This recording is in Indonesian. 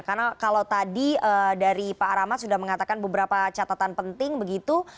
karena kalau tadi dari pak rahmat sudah mengatakan beberapa catatan penting begitu